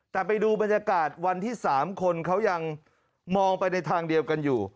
แต่ไปดูบรรยากาศวันที่๓คนเขายังมองไปในทางเดียวกันอยู่